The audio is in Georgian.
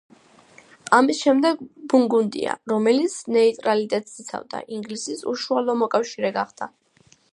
ამის შემდეგ ბურგუნდია, რომელიც ნეიტრალიტეტს იცავდა, ინგლისის უშუალო მოკავშირე გახდა.